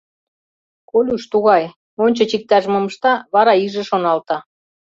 Колюш тугай: ончыч иктаж-мом ышта, вара иже шоналта.